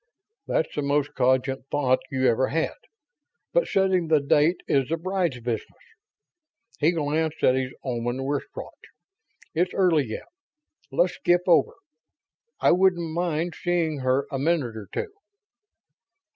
"That's the most cogent thought you ever had, but setting the date is the bride's business." He glanced at his Oman wristwatch. "It's early yet; let's skip over. I wouldn't mind seeing her a minute or two."